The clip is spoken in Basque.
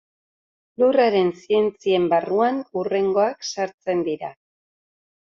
Lurraren zientzien barruan hurrengoak sartzen dira.